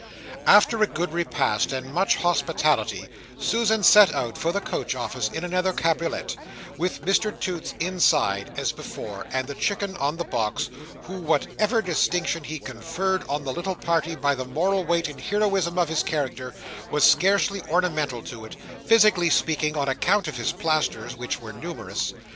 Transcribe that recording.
After a good repast, and much hospitality, Susan set out for the coach office in another cabriolet, with Mr Toots inside, as before, and the Chicken on the box, who, whatever distinction he conferred on the little party by the moral weight and heroism of his character, was scarcely ornamental to it, physically speaking, on account of his plasters; which were numerous.